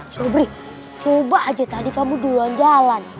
sobri coba aja tadi kamu duluan jalan